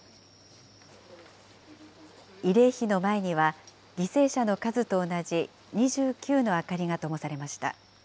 慰霊碑の前には、犠牲者の数と同じ２９の明かりがともされました。